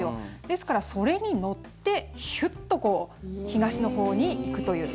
ですからそれに乗ってヒュッと東のほうに行くという。